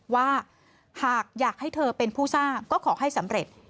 ว่าหากอยากให้เธอเป็นผู้สร้างก็ขอให้สำเร็จ